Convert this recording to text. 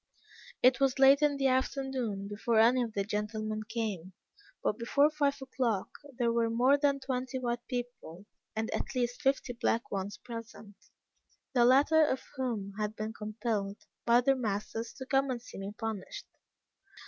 "It was late in the afternoon before any of the gentlemen came; but, before five o'clock, there were more than twenty white people, and at least fifty black ones present, the latter of whom had been compelled, by their masters, to come and see me punished.